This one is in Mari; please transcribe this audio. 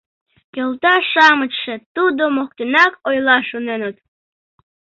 Йолташ-шамычше тудо моктенак ойла шоненыт.